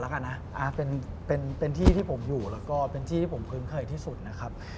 ไปอุ่นเต้า